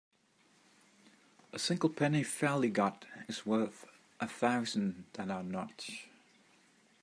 A single penny fairly got is worth a thousand that are not.